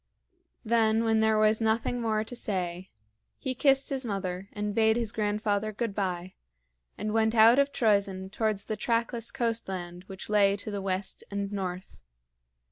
Then when there was nothing more to say, he kissed his mother and bade his grandfather good by, and went out of Troezen towards the trackless coastland which lay to the west and north.